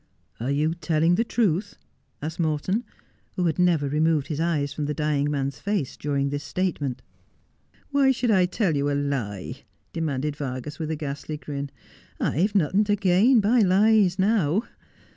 ' Are you telling the truth ?' asked Morton, who had never removed his eyes from the dying man's face during this state ment. 'Why should I tell you a lie?' demanded Vargas with a ghastly grin. 'I've nothin' to gain by lies now.